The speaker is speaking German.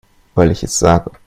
Weil ich es sage.